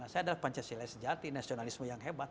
saya adalah pancasila sejati nasionalisme yang hebat